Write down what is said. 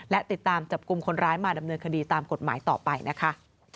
และติดตามจับกลุ่มคนร้ายมาดำเนินคดีตามกฎหมายต่อไปนะคะ